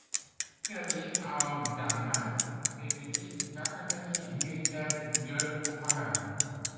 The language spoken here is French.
Élevé au Danemark, il étudie à l'Académie militaire de Copenhague.